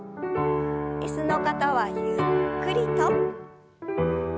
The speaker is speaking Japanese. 椅子の方はゆっくりと。